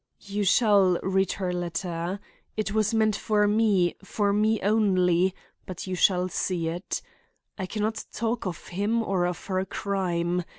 "You shall read her letter. It was meant for me, for me only—but you shall see it. I can not talk of him or of her crime.